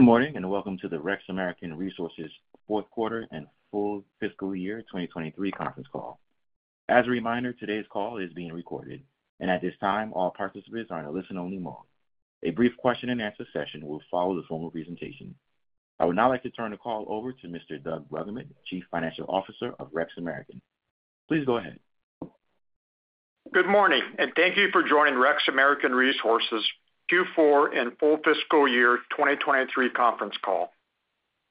Good morning and welcome to the REX American Resources fourth quarter and full fiscal year 2023 conference call. As a reminder, today's call is being recorded, and at this time all participants are in a listen-only mode. A brief question-and-answer session will follow the formal presentation. I would now like to turn the call over to Mr. Doug Bruggeman, Chief Financial Officer of REX American. Please go ahead. Good morning, and thank you for joining REX American Resources Q4 and full fiscal year 2023 conference call.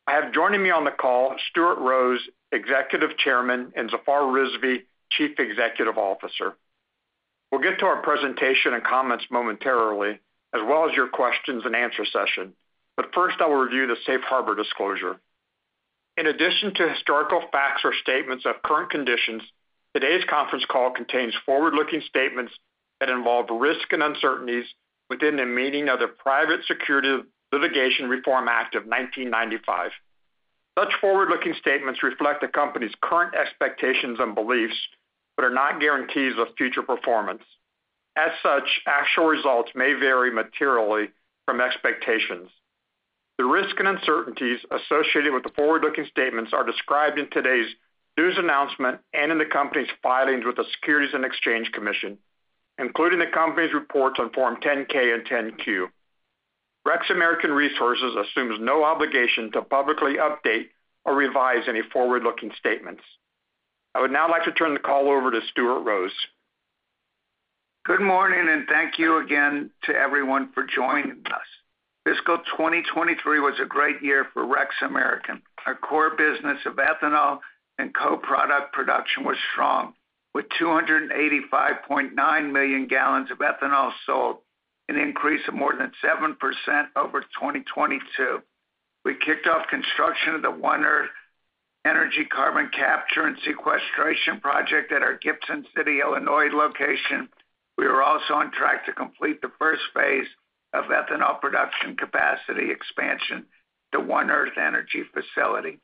I have joining me on the call Stuart Rose, Executive Chairman, and Zafar Rizvi, Chief Executive Officer. We'll get to our presentation and comments momentarily, as well as your questions-and-answer session, but first I will review the Safe Harbor disclosure. In addition to historical facts or statements of current conditions, today's conference call contains forward-looking statements that involve risk and uncertainties within the meaning of the Private Securities Litigation Reform Act of 1995. Such forward-looking statements reflect a company's current expectations and beliefs but are not guarantees of future performance. As such, actual results may vary materially from expectations. The risk and uncertainties associated with the forward-looking statements are described in today's news announcement and in the company's filings with the Securities and Exchange Commission, including the company's reports on Form 10-K and 10-Q. REX American Resources assumes no obligation to publicly update or revise any forward-looking statements. I would now like to turn the call over to Stuart Rose. Good morning, and thank you again to everyone for joining us. Fiscal 2023 was a great year for REX American. Our core business of ethanol and co-product production was strong, with 285.9 million gal of ethanol sold, an increase of more than 7% over 2022. We kicked off construction of the One Earth Energy carbon capture and sequestration project at our Gibson City, Illinois location. We are also on track to complete the first phase of ethanol production capacity expansion to One Earth Energy facility.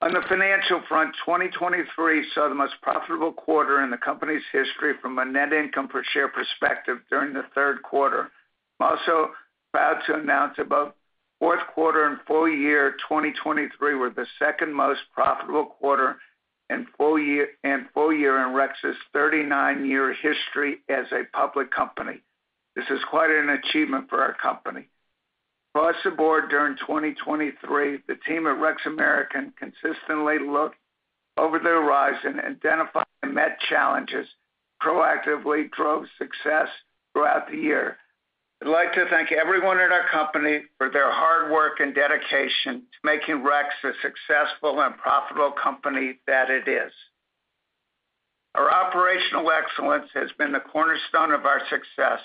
On the financial front, 2023 saw the most profitable quarter in the company's history from a net income per share perspective during the third quarter. I'm also proud to announce about fourth quarter and full year 2023 were the second most profitable quarter and full year in REX's 39-year history as a public company. This is quite an achievement for our company. Across the board during 2023, the team at REX American consistently looked over the horizon, identified and met challenges, proactively drove success throughout the year. I'd like to thank everyone at our company for their hard work and dedication to making REX a successful and profitable company that it is. Our operational excellence has been the cornerstone of our success.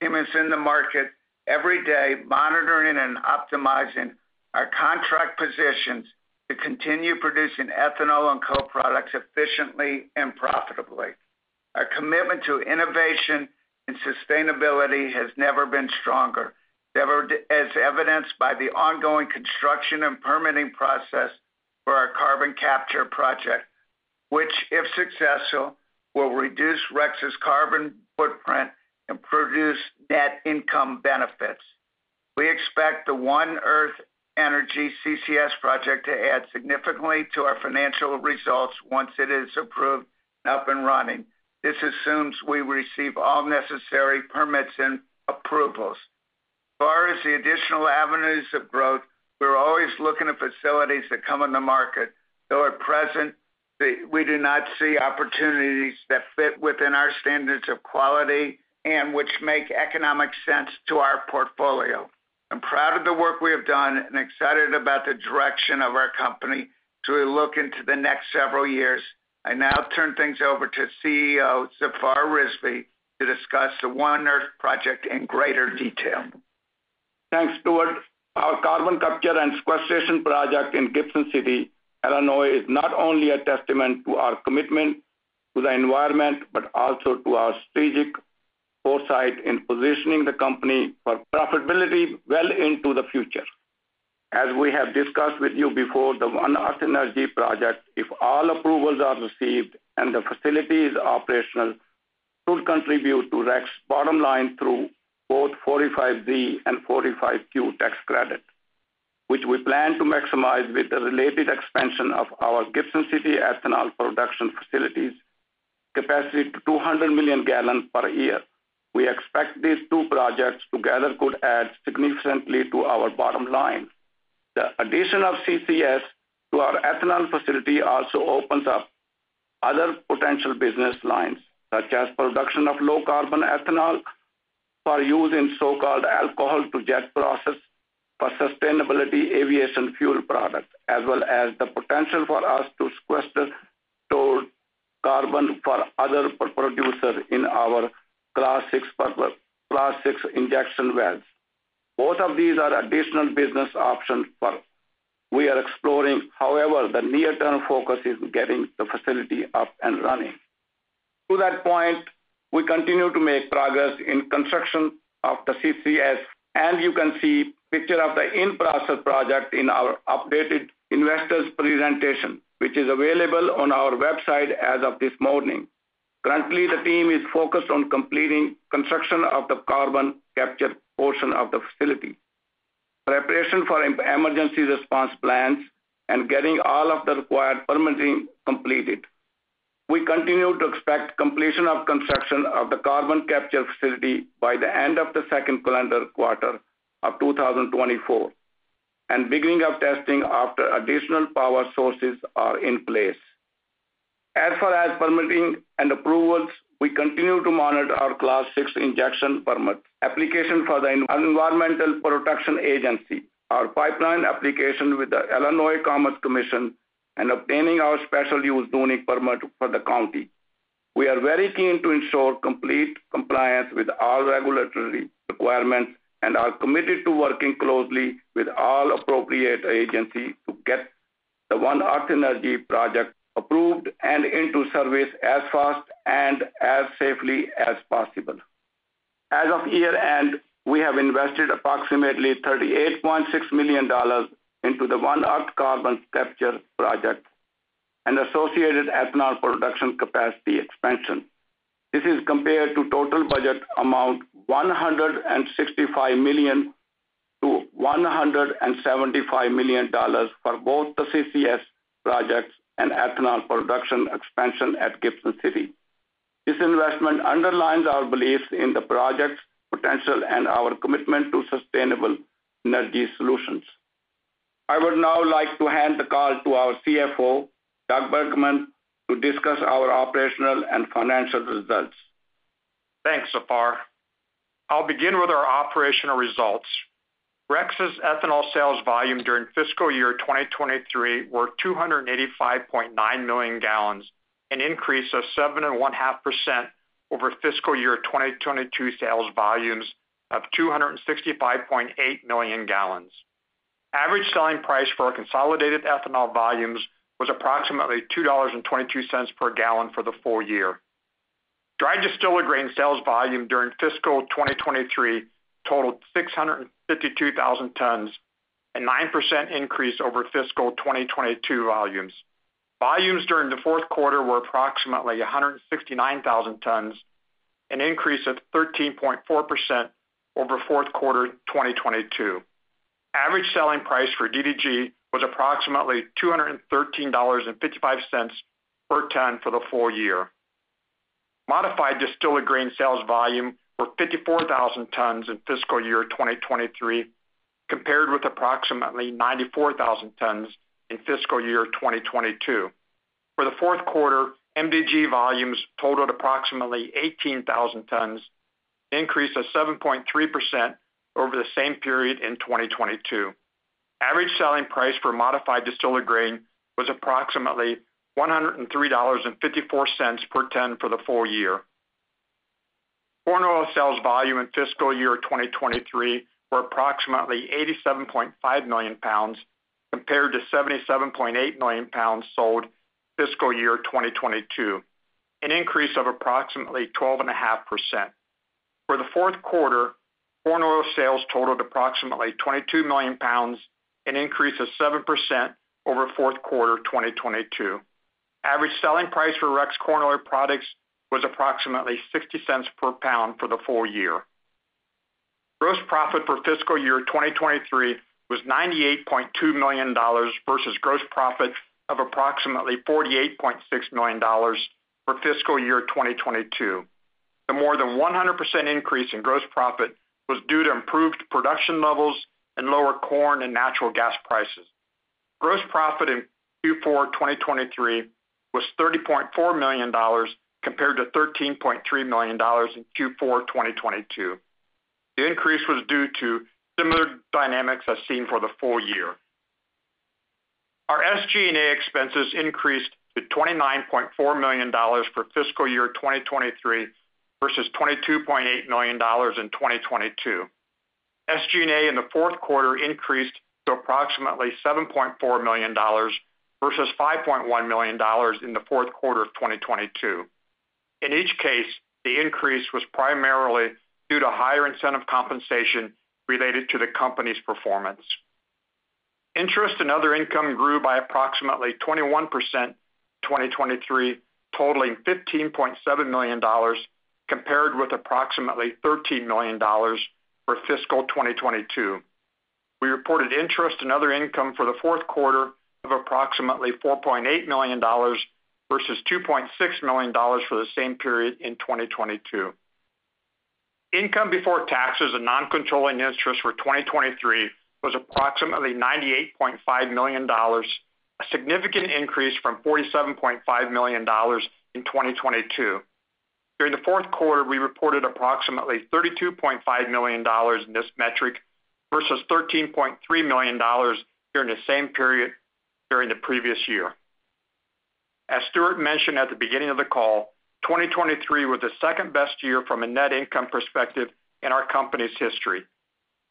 Team is in the market every day monitoring and optimizing our contract positions to continue producing ethanol and co-products efficiently and profitably. Our commitment to innovation and sustainability has never been stronger, as evidenced by the ongoing construction and permitting process for our carbon capture project, which, if successful, will reduce REX's carbon footprint and produce net income benefits. We expect the One Earth Energy CCS project to add significantly to our financial results once it is approved and up and running. This assumes we receive all necessary permits and approvals. As far as the additional avenues of growth, we're always looking at facilities that come in the market. Though at present, we do not see opportunities that fit within our standards of quality and which make economic sense to our portfolio. I'm proud of the work we have done and excited about the direction of our company as we look into the next several years. I now turn things over to CEO Zafar Rizvi to discuss the One Earth project in greater detail. Thanks, Stuart. Our carbon capture and sequestration project in Gibson City, Illinois, is not only a testament to our commitment to the environment but also to our strategic foresight in positioning the company for profitability well into the future. As we have discussed with you before, the One Earth Energy project, if all approvals are received and the facility is operational, should contribute to REX's bottom line through both 45Z and 45Q tax credit, which we plan to maximize with the related expansion of our Gibson City ethanol production facilities capacity to 200 million gal per year. We expect these two projects together could add significantly to our bottom line. The addition of CCS to our ethanol facility also opens up other potential business lines, such as production of low-carbon ethanol for use in so-called alcohol-to-jet process for sustainable aviation fuel products, as well as the potential for us to sequester stored carbon for other producers in our Class VI injection wells. Both of these are additional business options for us. We are exploring. However, the near-term focus is getting the facility up and running. To that point, we continue to make progress in construction of the CCS. And you can see a picture of the in-process project in our updated investors' presentation, which is available on our website as of this morning. Currently, the team is focused on completing construction of the carbon capture portion of the facility, preparation for emergency response plans, and getting all of the required permitting completed. We continue to expect completion of construction of the carbon capture facility by the end of the second calendar quarter of 2024 and beginning of testing after additional power sources are in place. As far as permitting and approvals, we continue to monitor our Class VI injection permits, application for the Environmental Protection Agency, our pipeline application with the Illinois Commerce Commission, and obtaining our special-use zoning permit for the county. We are very keen to ensure complete compliance with all regulatory requirements and are committed to working closely with all appropriate agencies to get the One Earth Energy project approved and into service as fast and as safely as possible. As of year-end, we have invested approximately $38.6 million into the One Earth carbon capture project and associated ethanol production capacity expansion. This is compared to total budget amount $165 million-$175 million for both the CCS projects and ethanol production expansion at Gibson City. This investment underlines our beliefs in the project's potential and our commitment to sustainable energy solutions. I would now like to hand the call to our CFO, Doug Bruggeman, to discuss our operational and financial results. Thanks, Zafar. I'll begin with our operational results. REX's ethanol sales volume during fiscal year 2023 were 285.9 million gal, an increase of 7.5% over fiscal year 2022 sales volumes of 265.8 million gal. Average selling price for our consolidated ethanol volumes was approximately $2.22 per galfor the full year. Dry distillers grain sales volume during fiscal 2023 totaled 652,000 tons, a 9% increase over fiscal 2022 volumes. Volumes during the fourth quarter were approximately 169,000 tons, an increase of 13.4% over fourth quarter 2022. Average selling price for DDG was approximately $213.55 per ton for the full year. Modified distillers grain sales volume were 54,000 tons in fiscal year 2023, compared with approximately 94,000 tons in fiscal year 2022. For the fourth quarter, MDG volumes totaled approximately 18,000 tons, an increase of 7.3% over the same period in 2022. Average selling price for modified distillers grain was approximately $103.54 per ton for the full year. Corn oil sales volume in fiscal year 2023 were approximately $87.5 million, compared to $77.8 million sold fiscal year 2022, an increase of approximately 12.5%. For the fourth quarter, corn oil sales totaled approximately $22 million, an increase of 7% over fourth quarter 2022. Average selling price for REX corn oil products was approximately $0.60 per pound for the full year. Gross profit for fiscal year 2023 was $98.2 million versus gross profit of approximately $48.6 million for fiscal year 2022. The more than 100% increase in gross profit was due to improved production levels and lower corn and natural gas prices. Gross profit in Q4 2023 was $30.4 million, compared to $13.3 million in Q4 2022. The increase was due to similar dynamics as seen for the full year. Our SG&A expenses increased to $29.4 million for fiscal year 2023 versus $22.8 million in 2022. SG&A in the fourth quarter increased to approximately $7.4 million versus $5.1 million in the fourth quarter of 2022. In each case, the increase was primarily due to higher incentive compensation related to the company's performance. Interest and other income grew by approximately 21% in 2023, totaling $15.7 million, compared with approximately $13 million for fiscal 2022. We reported interest and other income for the fourth quarter of approximately $4.8 million versus $2.6 million for the same period in 2022. Income before taxes and non-controlling interest for 2023 was approximately $98.5 million, a significant increase from $47.5 million in 2022. During the fourth quarter, we reported approximately $32.5 million in this metric versus $13.3 million during the same period during the previous year. As Stuart mentioned at the beginning of the call, 2023 was the second best year from a net income perspective in our company's history.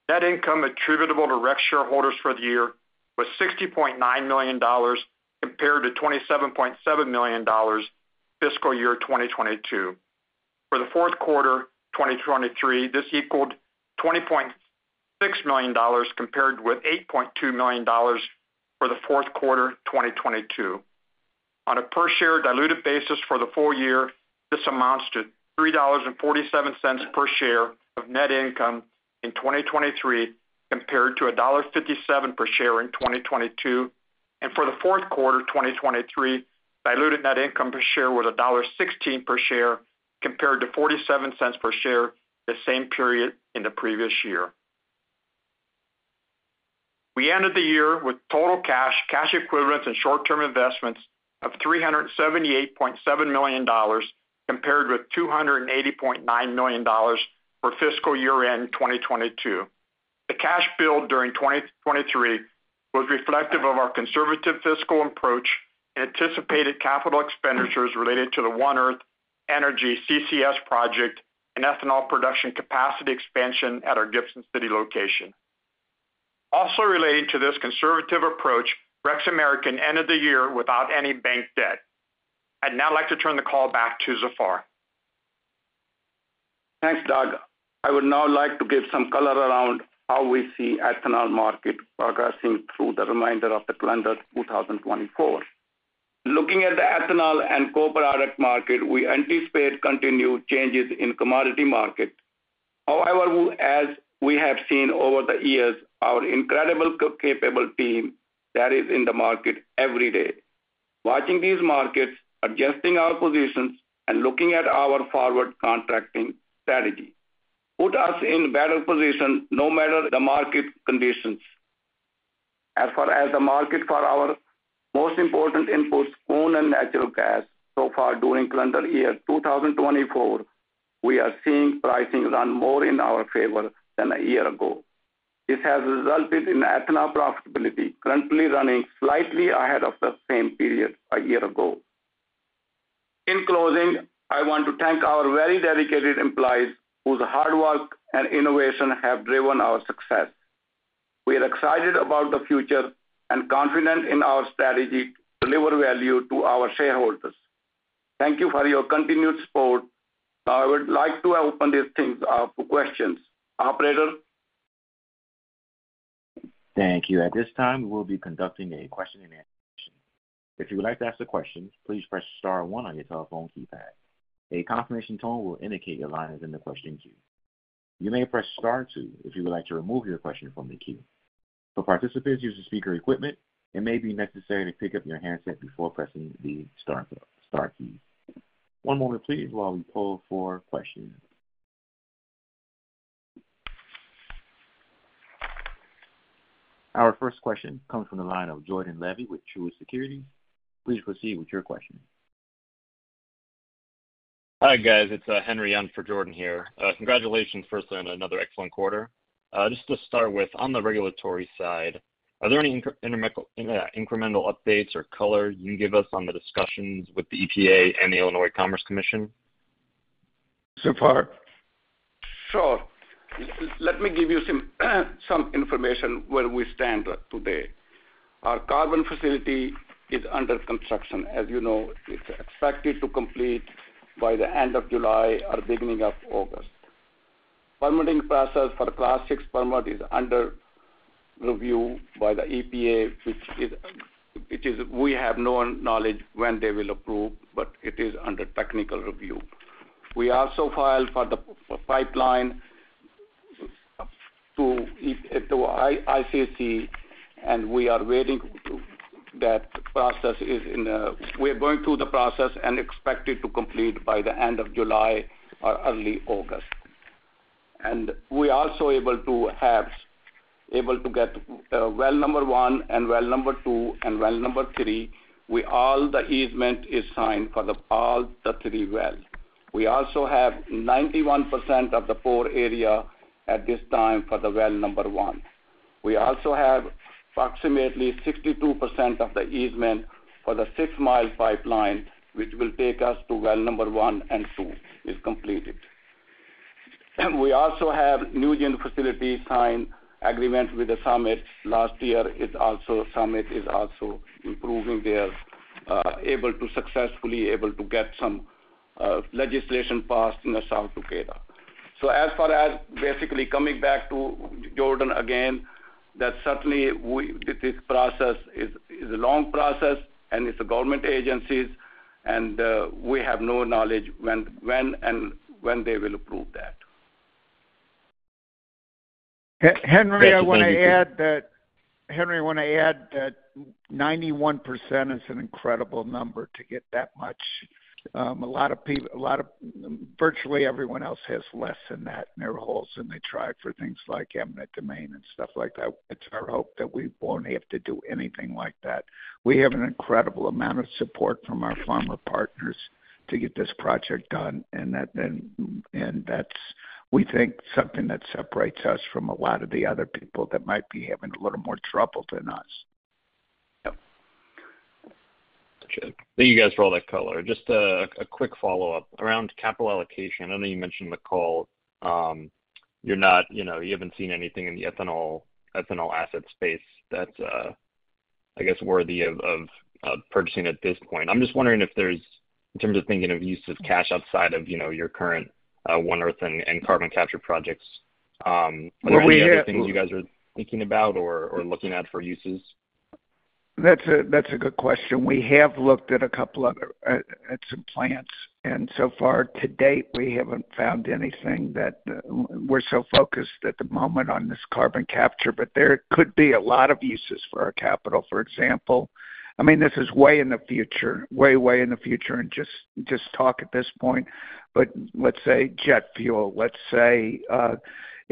Net income attributable to REX shareholders for the year was $60.9 million, compared to $27.7 million fiscal year 2022. For the fourth quarter 2023, this equaled $20.6 million, compared with $8.2 million for the fourth quarter 2022. On a per share diluted basis for the full year, this amounts to $3.47 per share of net income in 2023, compared to $1.57 per share in 2022. And for the fourth quarter 2023, diluted net income per share was $1.16 per share, compared to $0.47 per share the same period in the previous year. We ended the year with total cash, cash equivalents, and short-term investments of $378.7 million, compared with $280.9 million for fiscal year-end 2022. The cash build during 2023 was reflective of our conservative fiscal approach and anticipated capital expenditures related to the One Earth Energy CCS project and ethanol production capacity expansion at our Gibson City location. Also relating to this conservative approach, REX American ended the year without any bank debt. I'd now like to turn the call back to Zafar. Thanks, Doug. I would now like to give some color around how we see the ethanol market progressing through the remainder of the calendar 2024. Looking at the ethanol and co-product market, we anticipate continued changes in the commodity market. However, as we have seen over the years, our incredibly capable team is in the market every day, watching these markets, adjusting our positions, and looking at our forward contracting strategy. It puts us in a better position no matter the market conditions. As far as the market for our most important inputs, corn and natural gas, so far during calendar year 2024, we are seeing pricing run more in our favor than a year ago. This has resulted in ethanol profitability currently running slightly ahead of the same period a year ago. In closing, I want to thank our very dedicated employees whose hard work and innovation have driven our success. We are excited about the future and confident in our strategy to deliver value to our shareholders. Thank you for your continued support. Now, I would like to open this thing up for questions. Operator. Thank you. At this time, we will be conducting a question-and-answer session. If you would like to ask a question, please press star one on your telephone keypad. A confirmation tone will indicate your line is in the question queue. You may press star two if you would like to remove your question from the queue. For participants using speaker equipment, it may be necessary to pick up your handset before pressing the star keys. One moment, please, while we pull four questions. Our first question comes from the line of Jordan Levy with Truist Securities. Please proceed with your question. Hi, guys. It's Henry Yun for Jordan here. Congratulations, firstly, on another excellent quarter. Just to start with, on the regulatory side, are there any incremental updates or color you can give us on the discussions with the EPA and the Illinois Commerce Commission? Zafar? Sure. Let me give you some information where we stand today. Our carbon facility is under construction. As you know, it's expected to complete by the end of July or beginning of August. The permitting process for the Class VI permit is under review by the EPA, which we have no knowledge when they will approve, but it is under technical review. We also filed for the pipeline to ICC, and we are waiting on that process. We are going through the process and expected to complete by the end of July or early August. We are also able to get well number 1 and well number 2 and well number 3. All the easement is signed for all the 3 wells. We also have 91% of the pore space at this time for the well number 1. We also have approximately 62% of the easement for the 6-mile pipeline, which will take us to well number 1 and 2 is completed. We also have the NuGen facility signed agreement with the Summit last year. The Summit is also improving there, able to successfully get some legislation passed in the South Dakota. So as far as basically coming back to Jordan again, that certainly this process is a long process, and it's government agencies, and we have no knowledge when they will approve that. Henry, I want to add that 91% is an incredible number to get that much. A lot of people, virtually everyone else, has less than that in their holds than they tried for things like eminent domain and stuff like that. It's our hope that we won't have to do anything like that. We have an incredible amount of support from our farmer partners to get this project done, and that's, we think, something that separates us from a lot of the other people that might be having a little more trouble than us. Thank you guys for all that color. Just a quick follow-up around capital allocation. I know you mentioned in the call you're not, you haven't seen anything in the ethanol asset space that's, I guess, worthy of purchasing at this point. I'm just wondering if there's, in terms of thinking of use of cash outside of your current One Earth and carbon capture projects, are there any other things you guys are thinking about or looking at for uses? That's a good question. We have looked at a couple of other assets at some plants. So far to date, we haven't found anything that we're so focused at the moment on this carbon capture, but there could be a lot of uses for our capital. For example, I mean, this is way in the future, way, way in the future, and just talk at this point. But let's say jet fuel. Let's say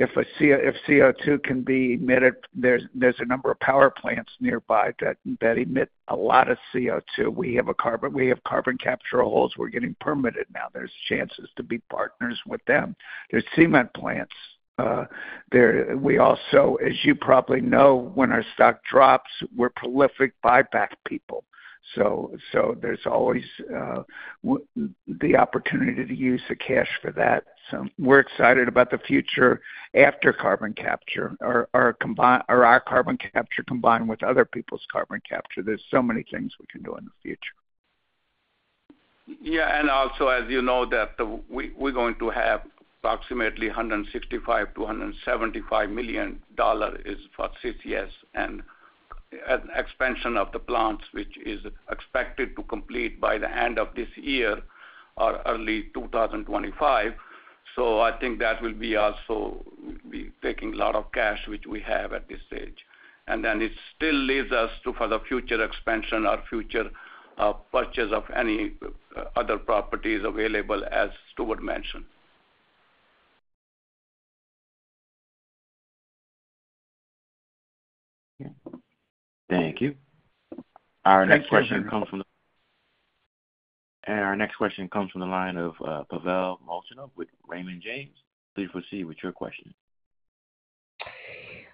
if CO2 can be emitted, there's a number of power plants nearby that emit a lot of CO2. We have carbon capture wells. We're getting permitted now. There's chances to be partners with them. There's cement plants. We also, as you probably know, when our stock drops, we're prolific buyback people. So there's always the opportunity to use the cash for that. So we're excited about the future after carbon capture or our carbon capture combined with other people's carbon capture. There's so many things we can do in the future. Yeah. And also, as you know, that we're going to have approximately $165 million-$175 million is for CCS and expansion of the plants, which is expected to complete by the end of this year or early 2025. So I think that will be also we'll be taking a lot of cash, which we have at this stage. And then it still leaves us to for the future expansion or future purchase of any other properties available, as Stuart mentioned. Thank you. Our next question comes from the line of Pavel Molchanov with Raymond James. Please proceed with your question.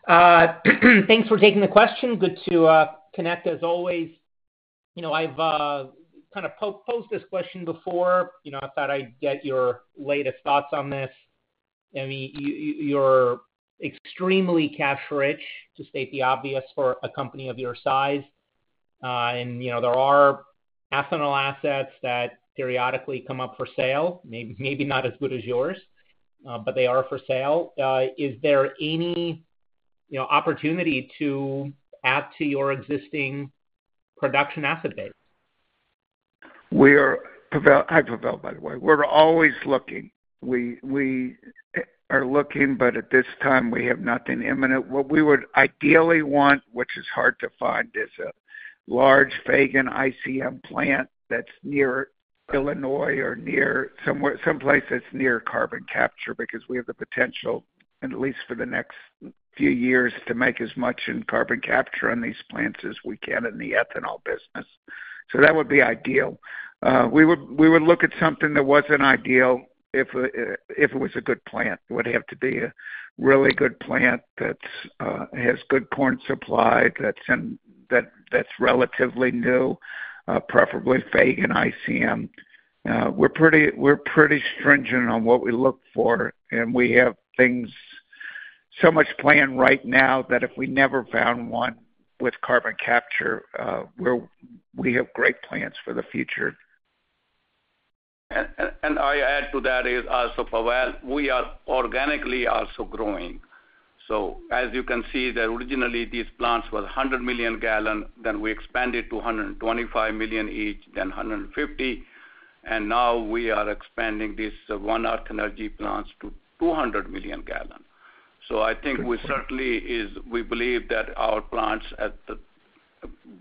Thanks for taking the question. Good to connect, as always. I've kind of posed this question before. I thought I'd get your latest thoughts on this. I mean, you're extremely cash-rich, to state the obvious, for a company of your size. There are ethanol assets that periodically come up for sale, maybe not as good as yours, but they are for sale. Is there any opportunity to add to your existing production asset base? We are Pavel, hi, Pavel, by the way. We're always looking. We are looking, but at this time, we have nothing imminent. What we would ideally want, which is hard to find, is a large Fagen ICM plant that's near Illinois or near someplace that's near carbon capture because we have the potential, at least for the next few years, to make as much in carbon capture on these plants as we can in the ethanol business. So that would be ideal. We would look at something that wasn't ideal if it was a good plant. It would have to be a really good plant that has good corn supply, that's relatively new, preferably Fagen ICM. We're pretty stringent on what we look for, and we have things so much planned right now that if we never found one with carbon capture, we have great plans for the future. And I add to that, also, Pavel, we are organically also growing. So as you can see, originally, these plants were 100 million gal. Then we expanded to 125 million each, then 150. And now we are expanding these One Earth Energy plants to 200 million gal. So I think we certainly is we believe that our plants at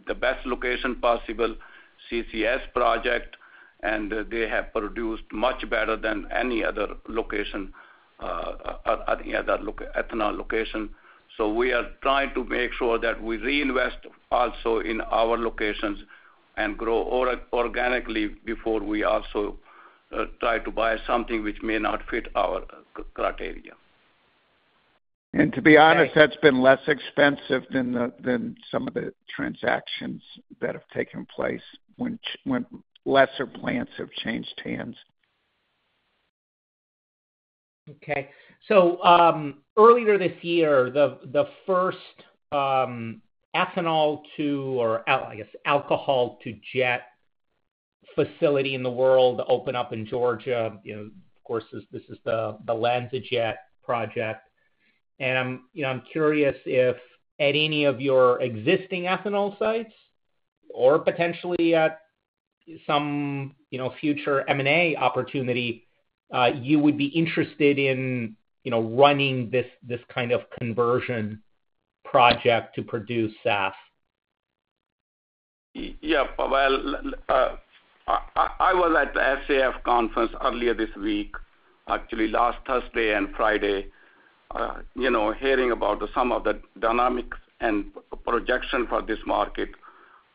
the best location possible, CCS project, and they have produced much better than any other location, any other ethanol location. So we are trying to make sure that we reinvest also in our locations and grow organically before we also try to buy something which may not fit our criteria. To be honest, that's been less expensive than some of the transactions that have taken place when lesser plants have changed hands. Okay. So earlier this year, the first ethanol to or, I guess, alcohol to jet facility in the world opened up in Georgia. Of course, this is the LanzaJet project. And I'm curious if at any of your existing ethanol sites or potentially at some future M&A opportunity, you would be interested in running this kind of conversion project to produce SAF? Yeah, Pavel. I was at the SAF conference earlier this week, actually last Thursday and Friday, hearing about some of the dynamics and projection for this market.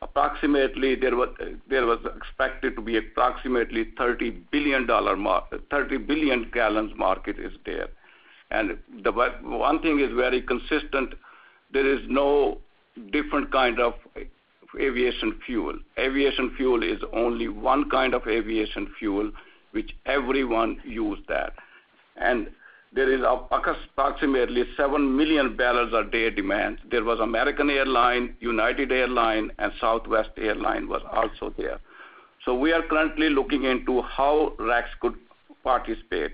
Approximately, there was expected to be approximately $30 billion gal market is there. And one thing is very consistent. There is no different kind of aviation fuel. Aviation fuel is only one kind of aviation fuel, which everyone use that. And there is approximately 7 million barrels per day demand. There were American Airlines, United Airlines, and Southwest Airlines also there. So we are currently looking into how REX's could participate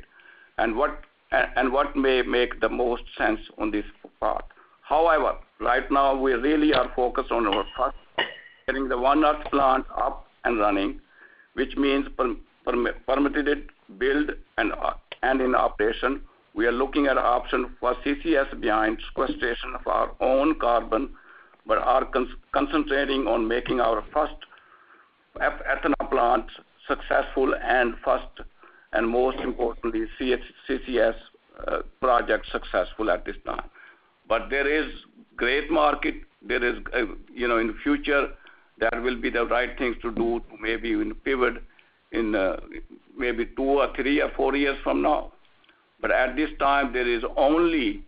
and what may make the most sense on this part. However, right now, we really are focused on our first getting the One Earth plant up and running, which means permitted it, built, and in operation. We are looking at options for CCS beyond sequestration of our own carbon, but are concentrating on making our first ethanol plant successful and first and most importantly, CCS project successful at this time. But there is great market. There is in the future, that will be the right things to do to maybe even pivot in maybe two or three or four years from now. But at this time, there is only,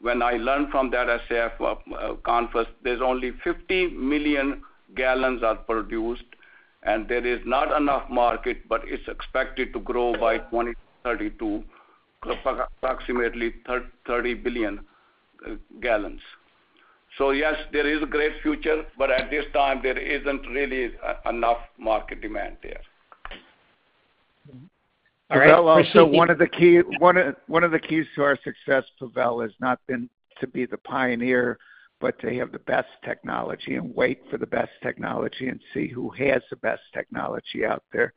when I learned from that SAF conference, there's only 50 million gal are produced, and there is not enough market, but it's expected to grow by 2032 to approximately 30 billion gal. So yes, there is a great future, but at this time, there isn't really enough market demand there. All right. Well, so one of the keys to our success, Pavel, has not been to be the pioneer, but to have the best technology and wait for the best technology and see who has the best technology out there.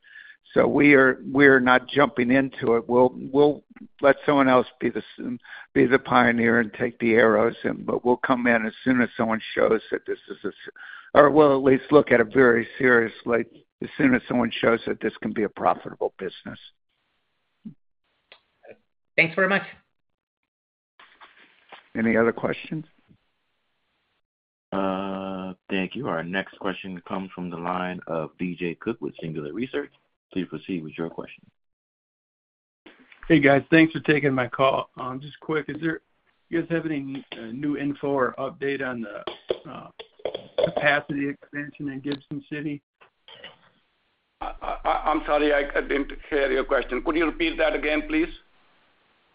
So we are not jumping into it. We'll let someone else be the pioneer and take the arrows, but we'll come in as soon as someone shows that this is a or we'll at least look at it very seriously as soon as someone shows that this can be a profitable business. Thanks very much. Any other questions? Thank you. Our next question comes from the line of B.J. Cook with Singular Research. Please proceed with your question. Hey, guys. Thanks for taking my call. Just quick, do you guys have any new info or update on the capacity expansion in Gibson City? I'm sorry. I didn't hear your question. Could you repeat that again, please?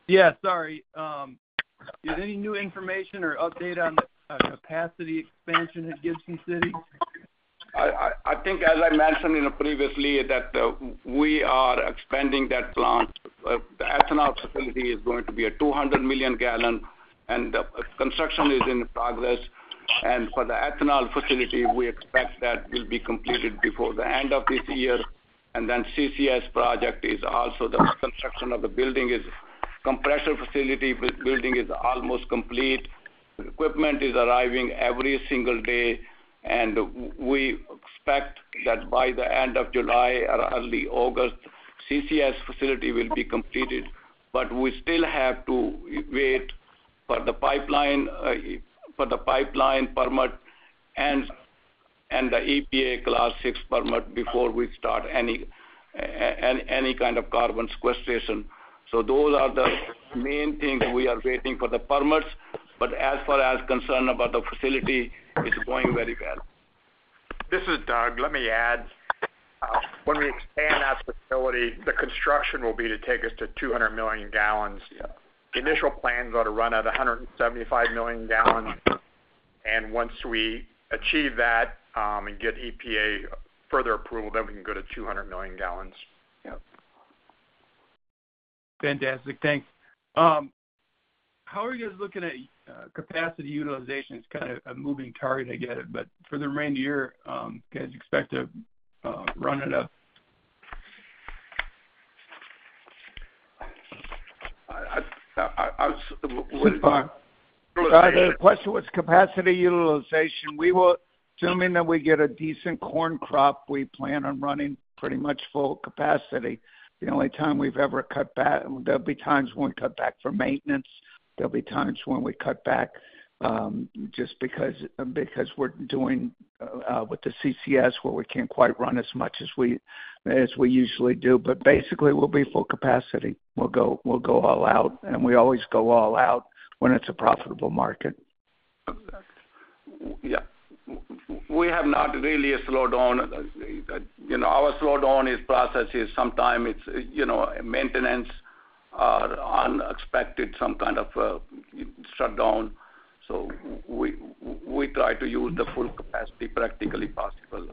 Yeah. Sorry. Is there any new information or update on the capacity expansion at Gibson City? I think, as I mentioned previously, that we are expanding that plant. The ethanol facility is going to be a 200 million gal, and the construction is in progress. For the ethanol facility, we expect that will be completed before the end of this year. Then the CCS project is also the construction of the building is compressor facility building is almost complete. Equipment is arriving every single day, and we expect that by the end of July or early August, CCS facility will be completed. But we still have to wait for the pipeline permit and the EPA Class VI permit before we start any kind of carbon sequestration. So those are the main things we are waiting for the permits. But as far as concerned about the facility, it's going very well. This is Doug. Let me add. When we expand that facility, the construction will be to take us to 200 million gal. Initial plans are to run at 175 million gal. Once we achieve that and get EPA further approval, then we can go to 200 million gal. Fantastic. Thanks. How are you guys looking at capacity utilization? It's kind of a moving target, I get it. But for the remainder of the year, can you guys expect to run it up? The question was capacity utilization. Assuming that we get a decent corn crop, we plan on running pretty much full capacity. The only time we've ever cut back, there'll be times when we cut back for maintenance. There'll be times when we cut back just because we're doing with the CCS where we can't quite run as much as we usually do. But basically, we'll be full capacity. We'll go all out. And we always go all out when it's a profitable market. Yeah. We have not really a slowdown. Our slowdown is processes. Sometimes it's maintenance or unexpected some kind of shutdown. So we try to use the full capacity practically possible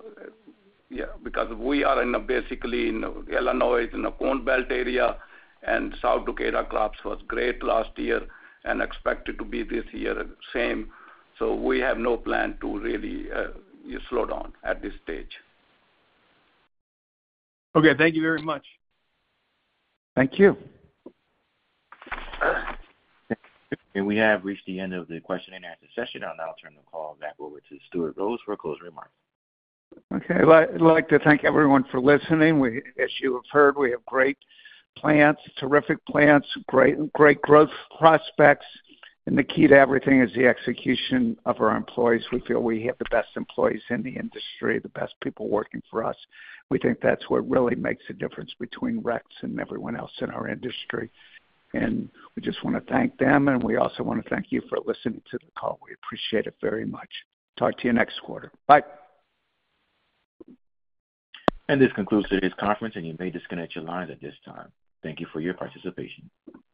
because we are in a basically in Illinois is in a corn belt area, and South Dakota crops was great last year and expected to be this year same. So we have no plan to really slow down at this stage. Okay. Thank you very much. Thank you. We have reached the end of the question and answer session. I'll now turn the call back over to Stuart Rose for closing remarks. Okay. I'd like to thank everyone for listening. As you have heard, we have great plants, terrific plants, great growth prospects. And the key to everything is the execution of our employees. We feel we have the best employees in the industry, the best people working for us. We think that's what really makes a difference between REX's and everyone else in our industry. And we just want to thank them. And we also want to thank you for listening to the call. We appreciate it very much. Talk to you next quarter. Bye. This concludes today's conference, and you may disconnect your lines at this time. Thank you for your participation.